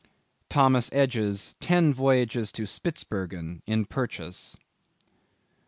—Thomas Edge's Ten Voyages to Spitzbergen, in Purchas.